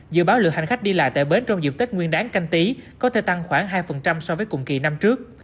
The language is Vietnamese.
dự báo lượng hành khách đi lại tại bến trong dịp tết nguyên đáng canh tí có thể tăng khoảng hai so với cùng kỳ năm trước